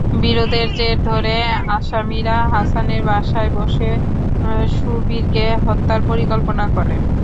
বিরোধের জের ধরে আসামিরা হাসানের বাসায় বসে সুবীরকে হত্যার পরিকল্পনা করেন।